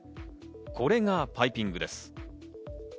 これがパイピングです。